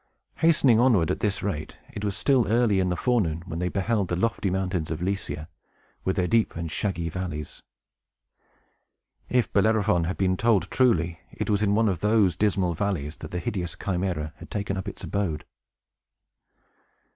Hastening onward at this rate, it was still early in the forenoon when they beheld the lofty mountains of Lycia, with their deep and shaggy valleys. If Bellerophon had been told truly, it was in one of those dismal valleys that the hideous Chimæra had taken up its abode.